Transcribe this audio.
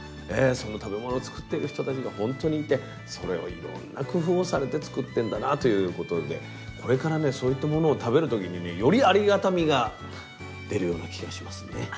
その食べ物をつくっている人たちがほんとにいてそれをいろんな工夫をされてつくってんだなということでこれからねそういったものを食べる時にねよりありがたみが出るような気がしますね。